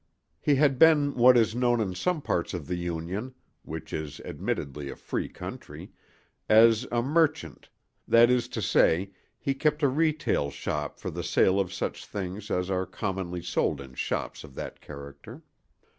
He had been what is known in some parts of the Union (which is admittedly a free country) as a "merchant"; that is to say, he kept a retail shop for the sale of such things as are commonly sold in shops of that character.